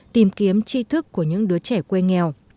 tìm kiếm chi thức của những đứa trẻ quê nghèo